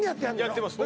やってます